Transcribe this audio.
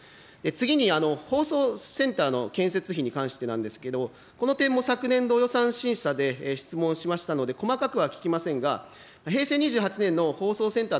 次に、放送センターの建設費に関してなんですけれども、この点も昨年度予算審査で質問しましたので、細かくは聞きませんが、平成２８年の放送センター